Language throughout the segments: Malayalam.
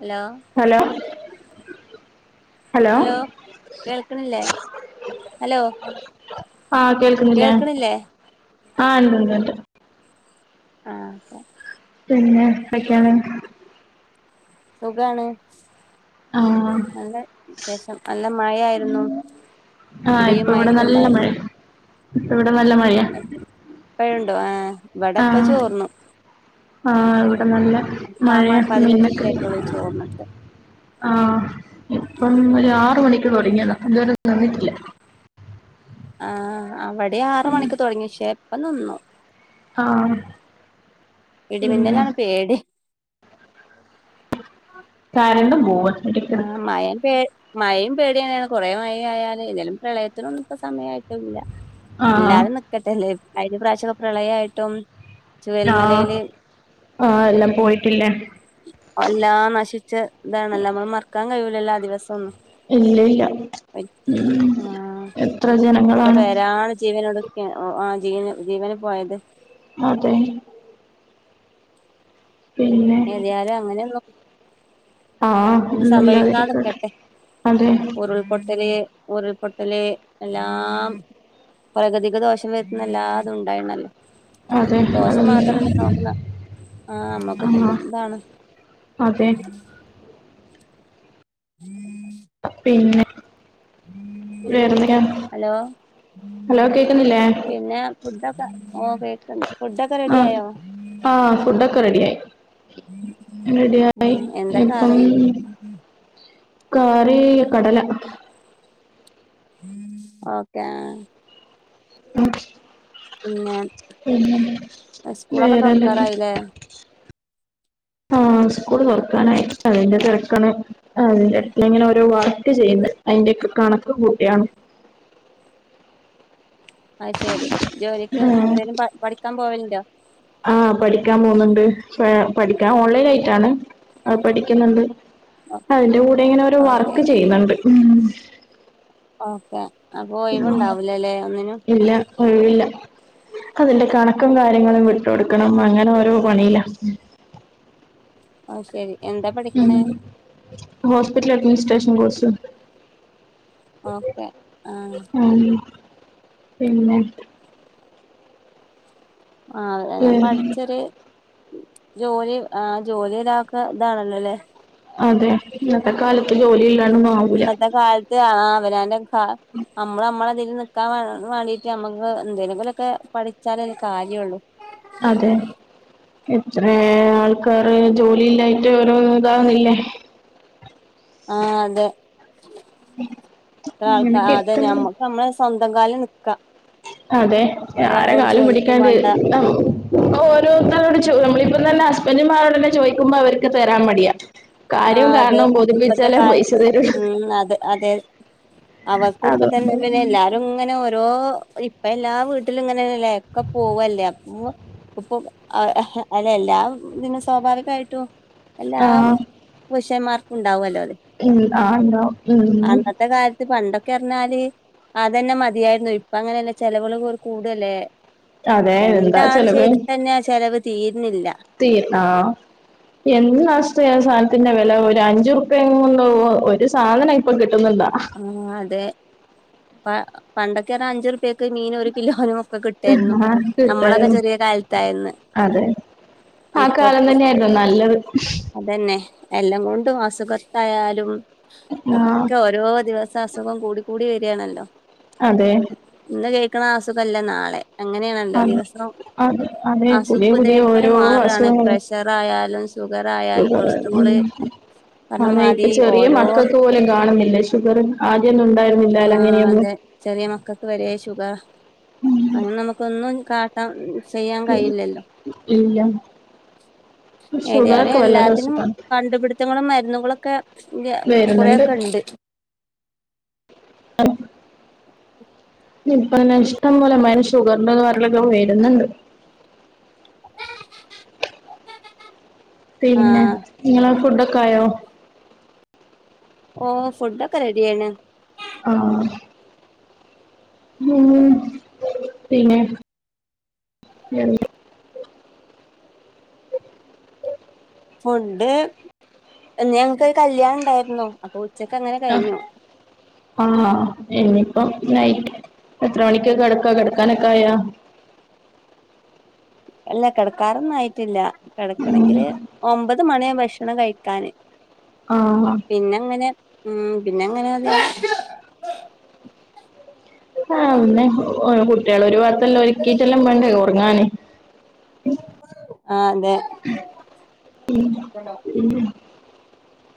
ഹലോ ഹലോ ഹലോ, കേൾക്കണില്ലേ ഹലോ ആഹ്, കേൾക്കുന്നില്ലേ കേൾക്കണില്ലേ ആഹ് ഉണ്ട്, ഉണ്ട്, ഉണ്ട് ആഹ് ഓക്കെ പിന്നെ എന്തൊക്കെയാണ് സുഖാണ്, ആഹ് നല്ലവിശേഷം നല്ല മഴായായിരുന്നു. ആഹ് ഇപ്പൊവിടെ നല്ലമഴേ, ഇപ്പവിടെ നല്ല മഴയാ ഇപ്പഴുണ്ടോ, ഏഹ് വടെപ്പ ആഹ് ചോർന്നു ആഹ്, ഇവിടെനല്ല ആ മഴയാണ്‌ പതിനഞ്ച് മീനൊക്കെ മിനിറ്റ് വരും ആയിട്ടുള്ളൂ ചോർന്നിട്ട് ആഹ്, ഇപ്പം ഒരാറുമണിക്കുതുടങ്ങിയതാ, ഇതുവരെ തീർന്നിട്ടില്ല ആഹ്, അവിടെ ആറുമണിക്കു തുടങ്ങി പക്ഷേ പ്പംനിന്നു ആഹ് പിന്നെ ഇടിമിന്നലാണ് പേടി [inaudible] കരണ്ടും പോവ്വാ ആഹ്‌, മഴയും പേ മഴയും പേടിയന്നേണ്. കൊറേ മഴയായാല്. ഏത്യാലും പ്രളയത്തിനൊന്നുപ്പോ സമയായിട്ടൊന്നുല്ല ആഹ് ഇല്ലാത്യു നിക്കട്ടെല്ലേ, കഴിഞ്ഞ പ്രാവശ്യം പ്രളയായിട്ടും ആഹ്, ചുഴൽമലയില് ആയെല്ലാം പോയിട്ടില്ലെ. എല്ലാം നശിച്ചതായിണല്ലോ നമ്മളുമറക്കാൻകഴിയൂലല്ലാദിവസൊന്നും ഇല്ല ഇല്ല ഉം ആഹ്, എത്ര ജനങ്ങളാണ് എത്രപേരാണ് ജീവനൊടു ക്ക്യേ ഓ.. ആ ജീവനു, ജീവന് പോയത് അതെ പിന്നെ ഏത്യാലും അങ്ങനൊന്നും ആഹ്, ഒന്നുല്ലാതിരിക്കട്ടെ, സംഭവിക്കാതിക്കട്ടെ അതെ ഉരുൾപൊട്ടല്, ഉരുൾപൊട്ടല്, എല്ലാം പ്രകൃതിക്കുദോഷം വരുത്തുന്നല്ലാതും ണ്ടായിന്നല്ലോ അതെ അതൊന്നുമില്ല ദോഷംമാത്രല്ല നോക്കുന്നേ ആഹ്, അമ്മക്ക്പൊ ആഹ് പ്പാണ് അതെ ഉം ഉം പിന്നെ വേറെന്തൊക്യാണ് ഹലോ ഹലോ കേക്കുന്നില്ലേ ഫുഡ്ഡക്കെ ഓ കേക്കണ്ട് ഫുഡ്ഡക്കെ റെഡി ആഹ് ആയോ ആഹ് ഫുഡൊക്കെ റെഡിയായി റെഡിയായി ഉം എന്താ ഇപ്പം കറി കറീ കടല ഓക്കെ ന്നട്ട് പിന്നെ പിന്നെ സ്കൂളൊക്കെ വേറെന്തൊക്കെ തുറക്കാറായില്ലേ ആഹ് സ്കൂൾ തൊറക്കാനായി അതിന്റെ തെരക്കണ് ആ അതിന്റെറെ അടു ഇങ്ങനെ ഓരോ വർക്ക് ചെയ്യ്ണ്ട്. അയ്ന്റെയൊക്കെ കണക്കകൂട്ട്യാണ് ആഹ് ശരി, ജോലിക്ക് ആഹ് ന്തേലും പ പഠിക്കാൻ പോവലുണ്ടോ ആഹ് പഠിക്കാൻ പോന്നുണ്ട്, പ പഠിക്കാൻ ഓൺലൈനായിട്ടാണ് അഹ് പഠിക്കുന്നുണ്ട്, അതിന്റെ കൂടെ ഇങ്ങനെ ഒരോ ഓക്കെ വർക്ക്ചെയ്യുന്നുണ്ട്. ഉം ഓക്കെ അപ്പൊ ഒയ്വ്ണ്ടാവൂലലേ ഒന്നിനും ഒഴുവില്ല, അതിന്റെ കണക്കും കാര്യങ്ങളും വിട്ട്കൊടുക്കണം അങ്ങനെ ഓരോ പണിയില അഹ് ശരി ഉും ഹോസ്പിറ്റൽ അഡ്മിനിസ്ട്രേഷൻ കോഴ്സ് ഓക്കെ ആഹ് ഉം പിന്നെ ആഹ് അത് ഉം ഞാൻപഠിച്ചര് ജോലി ആഹ് ജോലി ഒരാക്ക താണല്ലോല്ലേ അതെ ഇന്നത്തെ കാലത്ത് ജോലി ഇല്ലാണൊന്നും ആവൂല. ഇന്നത്തെ കാലത്ത് ആ അവനന്റെ ക നമ്മള് നമ്മള അതിൽ നിക്കാൻ വേണ്ടീട്ട് നമ്മുക്ക് എന്തേലങ്കലൊക്കെ പഠിച്ചാലെ കാര്യള്ളു. അതേ. എത്ര ആൾക്കാര് ജോലില്ലായിട്ട് ഓരോ ഇതാകുന്നില്ലേ. ആഹ് അതെ ആൾക്കാ അങ്ങനൊക്കെ അതെ എത്തുന്നു മ്മ. നമ്മളെ സ്വന്തം കാലിൽ നി അതെ ആരെ കാലും ചോദിക്കും പിടിക്കാണ്ട് വേണ്ട [unintelligible] ഓരോരുത്തരോട് ചോ നമ്മളിപ്പം തന്നെ ഹസ്ബന്റുമാരോട് തന്നെ ചോദിക്കുമ്പോ അവർക്ക് തരാൻ മടിയാ. ആ കാര്യം അതെ കാരണം ഇപ്പത്തെ ബോധിപ്പിച്ചാലേ പൈസ കാലത്ത് തരുള്ളൂ ഉം അതെ അതെ. അവക്ക് ഇപ്പ തന്നെ അതുകൊണ്ട് പിന്നെ എല്ലാരും ഇങ്ങനെ ഒ ഓരോ ഇപ്പ എല്ലാ വീട്ടിലും ഇങ്ങനെല്ലേ ഒക്കെ പോവല്ലേപോ ഇപ്പ ഹ അല്ല എല്ലാം [unintelligible] സ്വാഭാവികമായിട്ടും ആ എല്ലാം പുരുഷൻമാർക്ക് ഉണ്ടാവുല്ലോ അത്. ഉം ആണോ. മ് മ് പണ്ടൊക്കെറഞ്ഞാല് അതന്നെ മതിയായിരുന്നു. ഇപ്പ അങ്ങനെയല്ല ചിലവള് പോ കൂടുല്ലേ. അതെ എന്താ രണ്ടാള് ചെലവ് ചെയ്തിട്ടെന്നെ ചിലവ് തീര്ണില്ല. [unintelligible] എന്താഷ്ട സാധനത്തിന്റെ വില ഒരു അഞ്ചു റുപ്പയും കൊണ്ട് ഒരു സാധനം ഇപ്പൊ കിട്ടുന്നുണ്ടാ. ആ അതെ പണ്ടൊക്കെ അഞ്ചുർപ്പിയ്ക്ക് മീൻ ഒരു കിലോനും ഒക്കെ കിട്ടായിരുന്നു. ആ, നമ്മളൊക്കെ കിട്ടായിരുന്നു ചെറിയ കാലത്തായിരുന്നു. അതെ. ആ ഇപ്പൊ കാലം തന്നെയായിരുന്നു നല്ലത്. അതന്നെ എല്ലാംകൊണ്ടും അസുഖത്തായാലും ആ ഒക്കെ ഓരോ ദിവസം അസുഖം കൂടി കൂടി വരികണല്ലോ. അതെ. ഇന്ന് കേൾക്കണ ആസുഖല്ല നാളെ അങ്ങനെയാണല്ലോ അത് ദിവസം. അത് അതെ അസുഖ പുതിയ പുതിയ ഇതേപോലെ ഓരോ മാറുകയാണ് അസുഖങ്ങൾ പ്രഷറ ആയാലും ഷുഗർ ആയാലും ഷുഗർ ഉം കൊളസ്ട്രോള് പറഞ്ഞ അതെ ഇപ്പ മാതിരി ചെറിയ ഓരോ മക്കക്ക് പോലും കാണുന്നില്ലെ ഷുഗറ് ആദ്യൊന്നും ഉണ്ടായി ആഹ് അതെ ചെറിയ മക്കക്ക് വരെ ശുഗറാ അയിന് നമുക്കൊന്നും കാ ട്ടം ചെയ്യാൻ കഴിയില്ലല്ലോ. ഇല്ല ഏതായാലും ഷുഗറൊക്കെ വല്ലാത്ത എല്ലാത്തിനും അസുഖാണ് കണ്ടുപിടുത്തങ്ങളും മരുന്നുകളൊക്കെ കുറേ വരുന്നുണ്ട് ഒക്കെ ഇണ്ട്. [unintelligible] ഇപ്പതന്നെ ഇഷ്ടം പോലെ [unintelligible] ഷുഗർന്റെ [unintelligible] വര്ന്ന്ണ്ട് പിന്നെ ആഹ് ഇങ്ങളെ ഫുഡൊക്കെ ആയോ. ഓഹ് ഫുഡൊക്കെ റെഡിയായിണ്. ആഹ്. മൂ പിന്നെ ഫുഡ് ഇന്ന് ഞങ്ങക്കൊരു കല്യാണം ഇണ്ടായിരുന്നു അപ്പൊ ഉച്ചക്ക് അങ്ങനെ ആഹ് കഴിഞ്ഞു. ആഹ് ഇനിയിപ്പം നൈറ്റ്. എത്ര മണിക്കാ കെടക്കാ കെടക്കാനൊക്കെ ആയാ. അല്ല കെടക്കാറൊന്നും ആയിറ്റില്ല. കെടക്കണെങ്കില് ഒമ്പത് മണിയാവും ഭക്ഷണം കഴിക്കാന്. ആഹ്. പിന്നെ അങ്ങനെ ഉം പിന്നെ എങ്ങനെ. ആ അന്നെ കുട്ടികളെ ഒരു ഭാഗത്തല്ലാം ഒരുക്കിട്ടെല്ലാം വേണ്ടേ ഉറങ്ങനു, ആ അതെ ഉം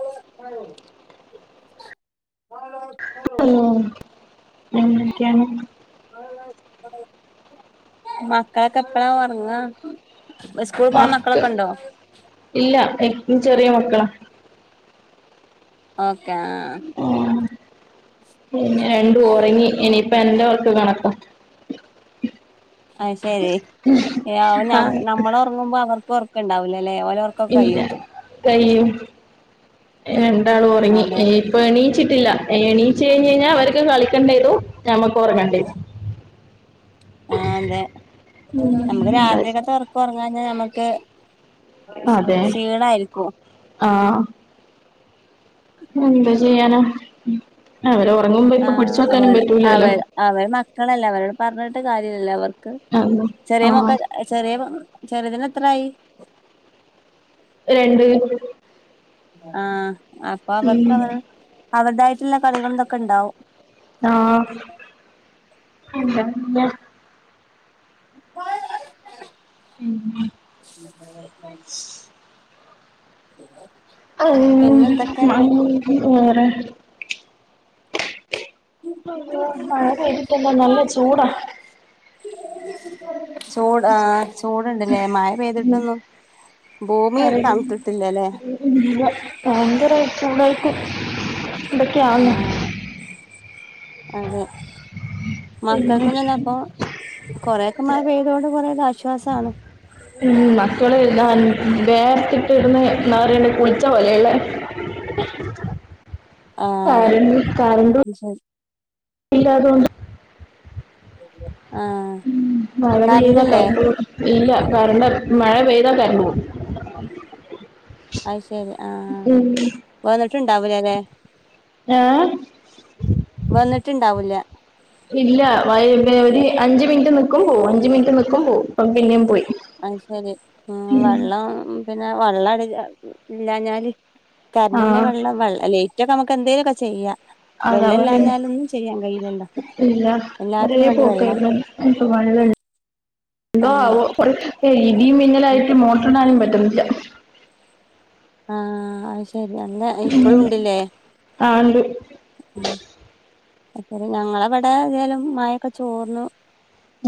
[unintelligible] ഹലോ എന്തക്കെയാണ്? മക്കളൊക്കെ എപ്പഴാ ഒർങ്ങാ? സ്കൂള് പോണ മക്ക മക്കളൊക്കെ ഇണ്ടോ ഇല്ല ഏറ്റവും ചെറിയ മക്കളാ ഓക്കെ ആഹ് ആ പിന്നെ രണ്ടും ഒറങ്ങി എണീ ഇപ്പ എന്റെ ഒറക്ക് കണക്ക അയ് ശരി യാവ് ആ ഞമ് നമ്മള് ഒറങ്ങുമ്പോ അവർക്ക് ഒർ ക്ക്ണ്ടാവൂലലേ ഓല ഒർക്കൊക്കെ കയ്യും കയ്യും രണ്ടാളും ഒർങ്ങി അതെ ഏ ഇപ്പ എണീച്ചിട്ടില്ല എണീച്ച് കഴിഞ്ഞ് കഴിഞ്ഞാ അവർക്ക് കളിക്കണ്ടിരും നമ ഇപ്പൊ ഒർങ്ങണ്ടേ ആ അതെ ഞമ്മക്ക് രാത്രിക്കത്തെ ഒർക്ക് ഒറങ്ങാഞ്ഞാ ഞമ്മക്ക് ശ് അതെ ക്ഷീണായിരിക്കും ആ എന്താ ചെയ്യാനാ അവര് ഉറങ്ങുമ്പോ ഇപ്പ ആഹ് പിടിച്ച് വെക്കാനും അവർ പറ്റൂലല്ലോ അവർ അവര് മക്കളല്ലേ അവരോട് പർഞ്ഞിട്ട് കാര്യല്ലല്ലോ അവർക്ക് ആഹ് ചെറിയ മക്ക ആഹ് ചെറിയ മ ചെറ്തിന് എത്രായി? രണ്ട് ആ അപ്പ അവർക്ക് അവർ അവര്തായിട്ട്ള്ള കളികൾ ഇതൊക്കെ ഇണ്ടാവും ആ എന്താചെയ്യാ? [unintelligible] ഉം [inaudible] ഔ പിന്നെ എന്തൊക്കെയുണ്ട് മംഗീത് വേറെ മഴ പെയ്തിട്ടെന്താ നല്ല ചൂടാ ചൂട ആ ചൂട്ണ്ട്ലേ മയ പെയ്തിട്ടൊന്നും ഭൂമി തണ്ത്തിട്ടില്ലലേ ഇല്ല ഭയങ്കര ചൂടായിട്ട് എന്തെക്കെ ആന്ന് ആഹ് അതെ മക്കക്കും തന്നെ അപ്പൊ കൊറെേക്കെ മഴ പെയ്തതോണ്ട് കുറെയൊക്കെ ആശ്വാസാണ് ഉം മക്കള് ഞാൻ വേർത്തിട്ട് ഇടുന്നെ എന്താ പറയണ്ട കുളിച്ച പോലെയള്ളേ കരഞ്ഞു കണ്ടു പിശാജ് പ്പീല്ലാതോണ്ട് ആഹ് ഉം മഴ പെയ്യണേ കറണ്ടില്ലേ കണ്ടു ഇല്ല പറീമ്പോ മഴ പെയ്താ കറണ്ട് പോവും അയ് ശരി ആ ഉം വന്നിട്ട്ണ്ടാവൂലല്ലെ? ആ വന്നിട്ടുണ്ടാവൂല്ല ഇല്ല വൈ ഒരു അഞ്ചു മിനിറ്റ്നിക്കും പോവും അഞ്ചു മിനിറ്റ് നിക്കും പോവും ഇപ്പോ പിന്നെയും പോയി അത്ശരി ഉം. വള്ളം പിന്നെ വള്ളം ഇല്ലാഞ്ഞാല്. കറന്റിന്റെ ആഹ് വെള്ളം. വെള്ള ലെയ്റ്റ് ഒക്കെ നമുക്ക് എന്തേലൊക്കെ ചെയ്യാ. അതാ വെള്ളം പറയുന്നെ ഇല്ലാഞ്ഞാലൊന്നും ചെയ്യാൻ കയ്യൂലല്ലോ. ഇല്ല ഒരേ എല്ലാത്തിനും വേണ്ടെ വെള്ളം. പോക്കായിരുന്നു ഇനിപ്പോ വെള്ളം ഇണ്ടോ ആഹ് ആവോ. ഇടിയും ഉം മിന്നലായിട്ട് മോട്ടറ് ഇടാനും പറ്റുന്നില്ല. ആ അത് ശെരി. അന്ന് ഇപ്പഴും ഇണ്ട്ലെ. ആഹ് ഉണ്ട് ഉം അത്അരി. ഞങ്ങളവിടെ ഏതായാലും മഴൊക്കെ ചോർന്നു.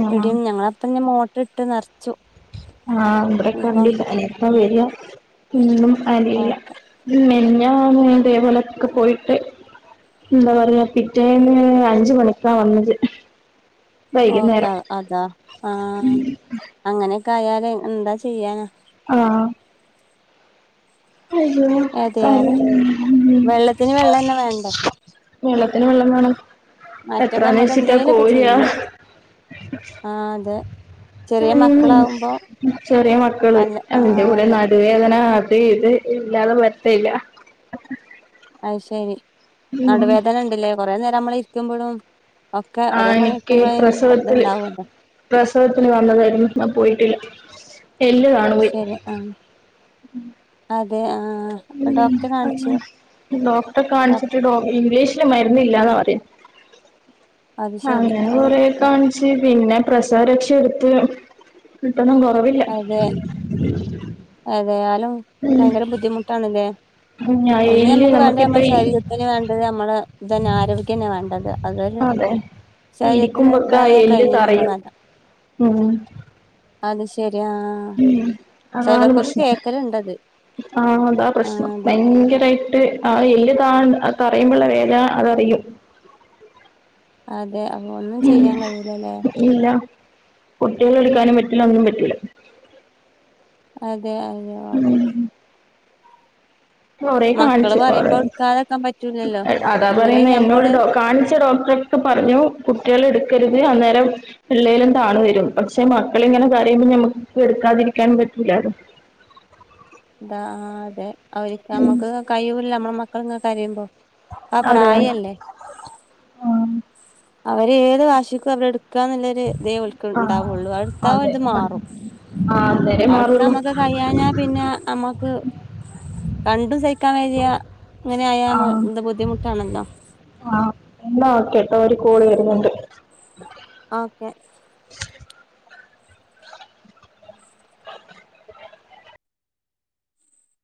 ആഹ് ഇടും ഞങ്ങളപ്പന്നെ മോട്ടർ ഇട്ട് നറ് ആ ഇബെടെ കറണ്ടില്ല. എപ്പോ വര ഒന്നും ഓ അറീല്ല. മിനിഞ്ഞാന്ന് ഇതേപോലെക്കെ പോയിട്ട്. എന്ത പറയ. പിറ്റേന്ന് അഞ്ചു മണിക്കാ വന്നത്. ഓക്കെ വൈകുന്നേരം അതാ. ആഹ് അങ്ങനൊക്കെ ആയാല് എന്താ ചെയ്യാനാ. ആഹ് അയ്യോ ഏതായാലും വെള്ളത്തിന് വെള്ളം തന്നെ വേണ്ടേ [unintelligible] [unintelligible] [unintelligible] വെള്ളത്തിന് വെള്ളം വേണം. മറ്റൊക്കെ എത്രാന്ന് നമ്മുക്ക് വെച്ചിട്ടാ എന്തേലുമൊക്കെ കോര ആഹ് അതെ ചെറിയ ഉം മക്കളാവുമ്പോ ചെറ്യേ മക്കള് അല്ല ആ അതിന്റെ കൂടെ നട അതെ നടു വേദന അത് ഇത് ഇല്ലാതെ വരത്തേ ഇല്ല. അത്ശെരി ഉം. നടുവേദന ഇണ്ടലേ. കൊറേ നേരം നമ്മള് ഇരിക്കുമ്പോഴും. ഒക്കെ ആ ഓരോ പണി എനിക്ക് ഇടുക്കുമ്പളും അയിന്റെ പ്രസവത്തില് ഇതുണ്ടാവൊല്ലോ. പ്രസവത്തിന് വന്നതായിരുന്നു. അഹ് പോയിട്ടില്ല. എല്ല് കാണുപോയി അത്ശെരി ആഹ് അതെ ആഹ് ഉം അയന്നെ ഡോക്ടറെ ഡോ- കാണിച്ചിട്ട് ഇംഗ്ലീഷില് മര്ന്ന് ഇല്ലാന്നാ പറിനെ. അത് ശരി അങ്ങെനെ കൊറേ അത് കാണിച്ച് പിന്നെ പ്രസരക്ഷ ഇടുത്ത് ന്നട്ടൊന്നും അതെ എതായാലും ഉം. ഭയങ്കര ബുദ്ധിമുട്ടാണ്ലെ. ഞാൻ ഒന്ന് എല്ല് നമ്മുക്ക് വേണ്ട്യ നമുക്കിപ്പ നമ്മെ ഈ ശരീരത്തിന് വേണ്ടത് നമ്മളെ ഇതനെ ആരോഗ്യന്നെ വേണ്ടത്. അതോലെ അതെ ശരീരത്തിന് ഇരിക്കുമ്പൊക്കെ ആ ഇതായാ എല്ല് കഴിഞ്ഞില്ലെ നമ്മളെ തറയും കഥ. ഉം അത് ശെരി ആഹ്. ഉം അതാണ് പ്രശ്നം. ആ അതാ ആ പ്രശ്നം അതെ ഭയങ്കരായിട്ട് ട്ട് ആ എല്ല് താ തറയ്യുമ്പ്ള്ള വേദന അതറിയും. അതെ അപ്പൊ ഒന്നും ചെയ്യാൻ കഴിയൂലലെ. ഇല്ല. കുട്ടികള ഇടുക്കാനും പറ്റൂല്ല ഒന്നും പറ്റൂല്ല. അതെ അയ്യോ. കൊറെ മക്കള് കാണിച്ച്. കൊറ് പറയുമ്പോ എടുക്കാതെക്കാൻ പറ്റൂലല്ലോ അതാ ഇങ്ങനെ പറയുന്ന എന്നോട് ഞമ്മള് കാണിച്ച ഡോക്ടറെ ട്ടുക്കെ പറഞ്ഞു. കുട്ടികള് ഇടുക്കരുത് അന്നേരം. പിള്ളേലും താണു വരും. പക്ഷെ മക്കളിങ്ങനെ കാരയുമ്പോ ഞമക്ക് എടുക്കാതിരിക്കാനും പറ്റൂലാല്ലോ. ഇതാ അതെ അവരിക്ക് നമ്മുക്ക് കഴിയൂല്ല നമ്മളെ മക്കളിങ്ങെനെ കരയുമ്പോ ആ അതെ പ്രായല്ലെ. അവര് ഏത് ഭാഷക്കും അവരട്ത്ത് ക്കന്ന്ല്ലൊരു ദേവൽ ആഹ് ഉണ്ടാവൊള്ളു അടുത്താവ് ഓല്ത് മാറും. ആഹ് അന്നേരേ അത് ഇട്ത്താ മാറുള്ളൂ ക്കമ്മക്ക് കഴയാഞ്ഞാ പിന്നെ. നമ്മക്ക് കണ്ടും സഹിക്കാൻ വയ്യ. ഇങ്ങനായാ എന്താ ബുദ്ധിമുട്ട്. കേണല്ലോ. ആ യെന്നാ ഓക്കെട്ടോ ഒരു കോൾ വരുന്ന്ണ്ട്. ഓക്കെ. [inaudible]